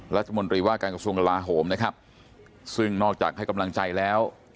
รัฐมนตรีว่าการกระทรวงกลาโหมนะครับซึ่งนอกจากให้กำลังใจแล้ว